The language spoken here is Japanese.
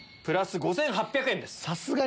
プラス５８００円です。